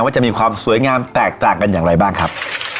ว่าจะมีความสวยงามแตกต่างกันอย่างไรบ้างครับ